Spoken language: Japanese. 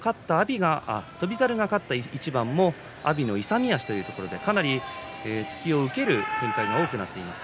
翔猿が勝った一番も阿炎の勇み足というところでかなり突きを受ける展開が多くなっています。